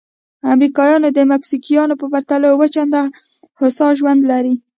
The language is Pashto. امریکایان د مکسیکویانو په پرتله اووه چنده هوسا ژوند لري.